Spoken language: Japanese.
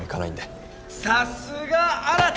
さすが新！